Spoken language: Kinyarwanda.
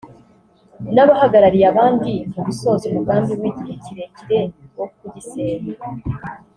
n’abahagarariye abandi mu gusohoza umugambi w’igihe kirekire wo kugisenya